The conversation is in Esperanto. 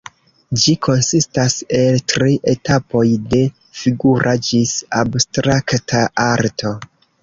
Ĝi konsistas el tri etapoj, de figura ĝis abstrakta arto.